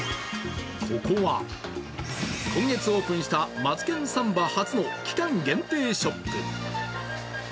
ここは今月オープンしたマツケンサンバ初の期間限定ショップ。